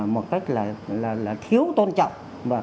một cách là là là thiếu tôn trọng